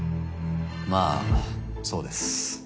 まあそうです。